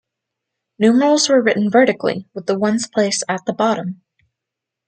Numerals were written vertically, with the ones place at the bottom.